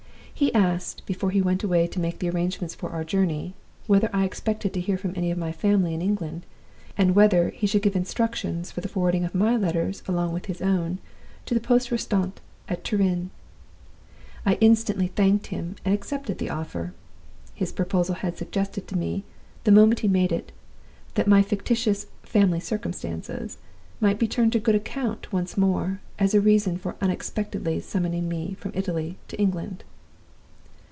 He asked, before he went away to make the arrangements for our journey, whether I expected to hear from my 'family' in England, and whether he should give instructions for the forwarding of my letters with his own to the poste restante at Turin. I instantly thanked him, and accepted the offer. His proposal had suggested to me, the moment he made it, that my fictitious 'family circumstances' might be turned to good account once more, as a reason for unexpectedly summoning me from Italy to England.